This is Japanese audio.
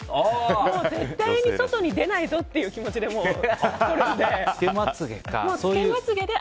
絶対に外に出ないぞっていう気持ちで取るんで。